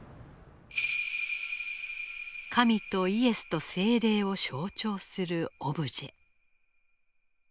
神とイエスと精霊を象徴するオブジェ。